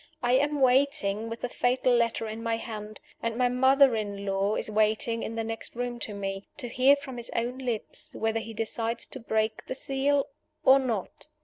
I am waiting, with the fatal letter in my hand and my mother in law is waiting in the next room to me to hear from his own lips whether he decides to break the seal or not.